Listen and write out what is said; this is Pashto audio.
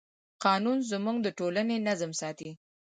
قانون زموږ د ټولنې نظم ساتي.